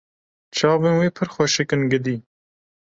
Çavên wê pir xweşik in gidî.